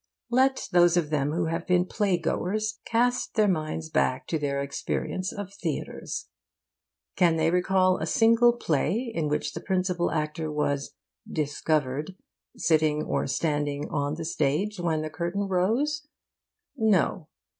Let those of them who have been playgoers cast their minds back to their experience of theatres. Can they recall a single play in which the principal actor was 'discovered' sitting or standing on the stage when the curtain rose? No.